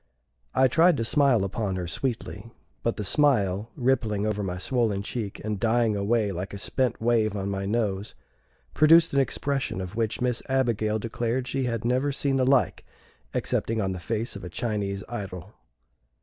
I tried to smile upon her sweetly, but the smile, rippling over my swollen cheek, and dying away like a spent wave on my nose, produced an expression of which Miss Abigail declared she had never seen the like excepting on the face of a Chinese idol.